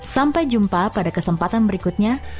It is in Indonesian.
sampai jumpa pada kesempatan berikutnya